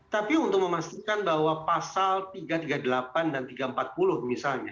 tapi untuk memastikan bahwa pasal tiga ratus tiga puluh delapan dan tiga ratus empat puluh misalnya